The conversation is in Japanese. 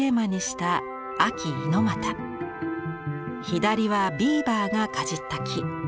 左はビーバーが齧った木。